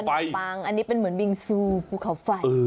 ปังอันนี้เป็นเหมือนบิงซูภูเขาไฟ